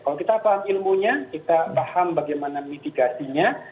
kalau kita paham ilmunya kita paham bagaimana mitigasinya